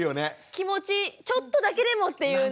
気持ちちょっとだけでもっていうね。